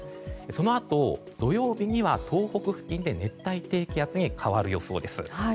そのあと、土曜日には東北付近で熱帯低気圧に変わる予想です。